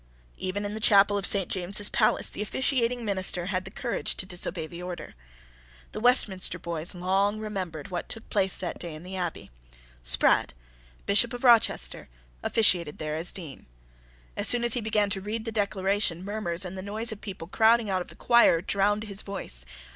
Even in the chapel of Saint James's Palace the officiating minister had the courage to disobey the order. The Westminster boys long remembered what took place that day in the Abbey. Sprat, Bishop of Rochester, officiated there as Dean. As soon as he began to read the Declaration, murmurs and the noise of people crowding out of the choir drowned his voice.